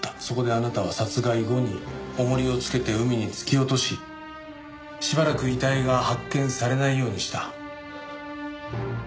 そこであなたは殺害後に重りをつけて海に突き落とししばらく遺体が発見されないようにした。